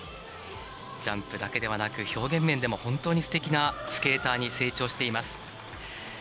ジャンプだけではなく表現面でも本当にすてきなスケーターに成長しています。